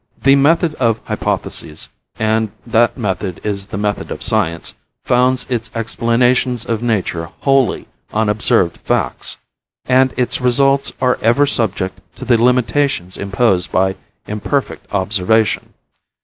"The method of hypotheses, and that method is the method of science, founds its explanations of nature wholly on observed facts, and its results are ever subject to the limitations imposed by imperfect observation.